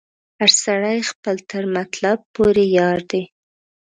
هر سړی خپل تر مطلب پوري یار دی